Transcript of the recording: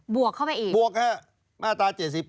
วกเข้าไปอีกบวกมาตรา๗๘